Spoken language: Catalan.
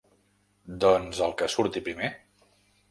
Doncs el que surti primer.